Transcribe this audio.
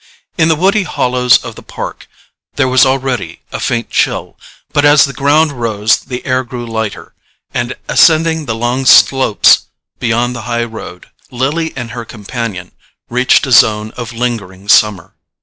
In the woody hollows of the park there was already a faint chill; but as the ground rose the air grew lighter, and ascending the long slopes beyond the high road, Lily and her companion reached a zone of lingering summer.